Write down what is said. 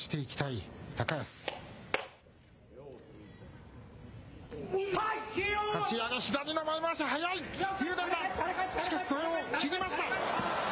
しかし、それを決めました。